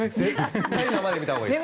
絶対生で見たほうがいいです。